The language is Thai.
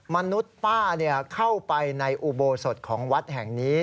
มนุษย์ป้าเข้าไปในอุโบสถของวัดแห่งนี้